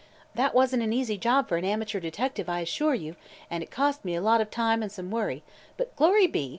That wasn't an easy job for an amateur detective, I assure you, and it cost me a lot of time and some worry, but glory be!